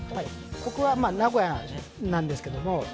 僕は名古屋なんですけども。